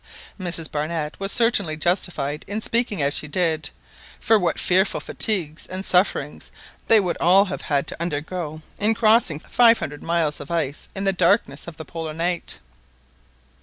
Mrs Barnett was certainly justified in speaking as she did, for what fearful fatigues and sufferings they would all have had to undergo in crossing five hundred miles of ice in the darkness of the Polar night!